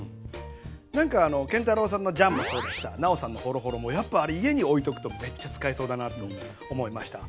なんか建太郎さんの醤もそうだしさ尚さんのホロホロもやっぱあれ家に置いとくとめっちゃ使えそうだなと思いました。